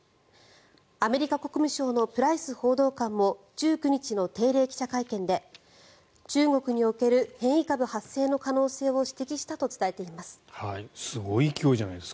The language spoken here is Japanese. アメリカ国務省のプライス報道官も１９日の定例記者会見で中国における変異株発生の可能性を指摘したと伝えています。